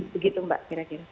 begitu mbak kira kira